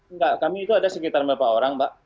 enggak kami itu ada sekitar berapa orang mbak